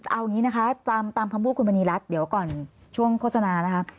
เอาอย่างนี้นะคะตามคำพูดคุณมณีรัฐเดี๋ยวก่อนช่วงโฆษณานะคะ